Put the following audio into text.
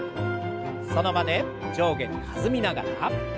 その場で上下に弾みながら。